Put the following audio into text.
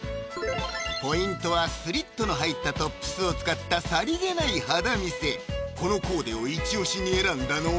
ポイントはスリットの入ったトップスを使ったさりげない肌見せこのコーデをイチオシに選んだのは？